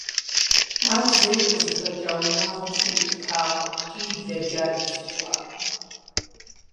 Ар зэи къызыхэкӏа унагъуэм щыукӏытакъым икӏи и блэкӏар ибзыщӏакъым.